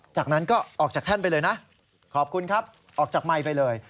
จากนั้นก็ออกจากแท่นไปเลยนะขอบคุณครับออกจากไมค์ไปเลย